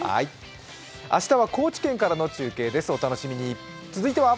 明日は高知県からの中継です、お楽しみに。